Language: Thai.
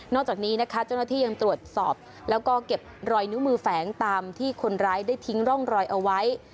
จากนี้นะคะเจ้าหน้าที่ยังตรวจสอบแล้วก็เก็บรอยนิ้วมือแฝงตามที่คนร้ายได้ทิ้งร่องรอยเอาไว้